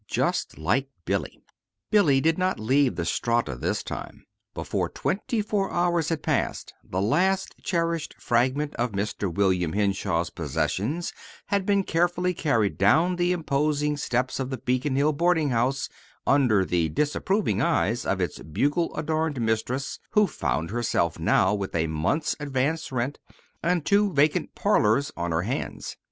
"JUST LIKE BILLY" Billy did not leave the Strata this time. Before twenty four hours had passed, the last cherished fragment of Mr. William Henshaw's possessions had been carefully carried down the imposing steps of the Beacon Hill boarding house under the disapproving eyes of its bugle adorned mistress, who found herself now with a month's advance rent and two vacant "parlors" on her hands.